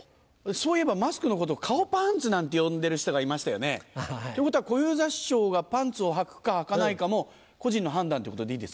そういえばマスクのことを「顔パンツ」なんて呼んでる人がいましたよね。ということは小遊三師匠がパンツをはくかはかないかも個人の判断っていうことでいいですか？